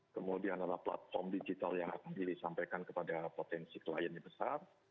kemudian ada platform digital yang dili sampaikan kepada potensi klien yang besar